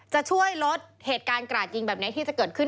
จะช่วยลดเหตุการณ์กราดยิงแบบนี้ที่จะเกิดขึ้น